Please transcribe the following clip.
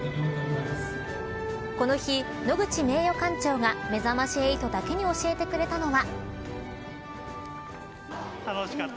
この日、野口名誉館長がめざまし８だけに教えてくれたのは。